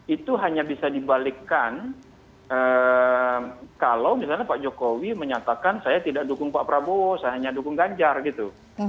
itu hanya bisa dibalikkan kalau misalnya pak jokowi menyatakan saya tidak dukung pak prabowo saya hanya dukung ganjar gitu